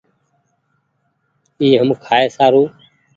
اي هم کآئي سارو ۔